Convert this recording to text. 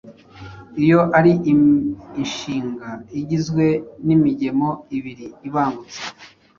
iyo ari inshinga igizwe n’imigemo ibiri ibangutse,